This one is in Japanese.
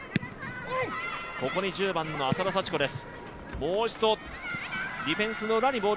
ここに１０番の浅田幸子です。